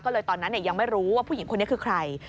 ก็เลยตอนนั้นยังไม่รู้ว่าผู้หญิงคนนี้คือใคร